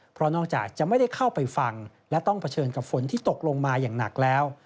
เพราะนอกจากจะไม่ได้เข้าไปฟังและต้องเผชิญกับฝนที่ตกลงมาอย่างหนักแล้ว